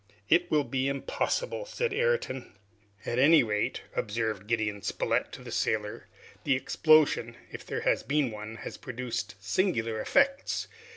"It will be impossible," said Ayrton. "At any rate," observed Gideon Spilett to the sailor, "the explosion, if there has been one, has produced singular effects!